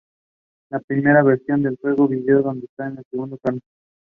The film has clear political implications and suggestions.